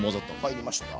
入りました。